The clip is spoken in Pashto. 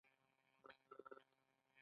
پیشنھاد د څه لپاره دی؟